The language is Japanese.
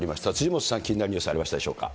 辻元さん、気になるニュースありましたでしょうか。